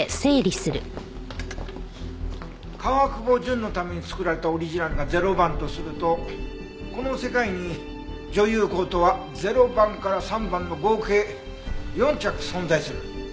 川久保純のために作られたオリジナルが０番とするとこの世界に女優コートは０番から３番の合計４着存在する。